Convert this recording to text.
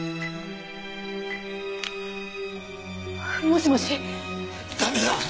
もしもし？